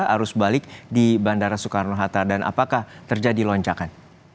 arus balik di bandara soekarno hatta dan apakah terjadi lonjakan